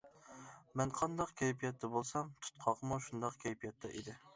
مەن قانداق كەيپىياتتا بولسام، تۇتقاقمۇ شۇنداق كەيپىياتتا ئىدى.